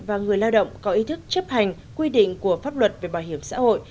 và người lao động có ý thức chấp hành quy định của pháp luật về bảo hiểm xã hội